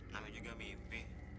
namanya juga mimpi